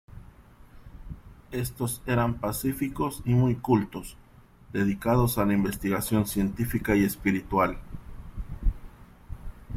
Estos eran pacíficos y muy cultos, dedicados a la investigación científica y espiritual.